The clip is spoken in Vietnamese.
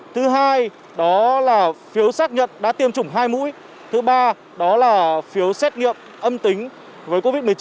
thứ hai đó là phiếu xác nhận đã tiêm chủng hai mũi thứ ba đó là phiếu xét nghiệm âm tính với covid một mươi chín